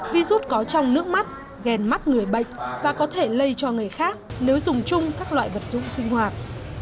virus có trong nước mắt ghen mắt người bệnh và có thể lây cho người khác nếu dùng chung các loại vật dụng sinh hoạt